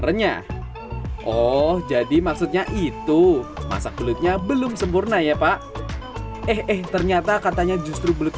renyah oh jadi maksudnya itu masak belutnya belum sempurna ya pak eh eh ternyata katanya justru belut